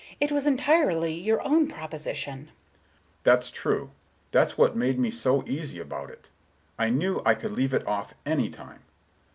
It was entirely your own proposition." Mr. Richards: "That's true. That's what made me so easy about it. I knew I could leave it off any time.